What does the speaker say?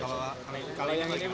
kalau yang ini pak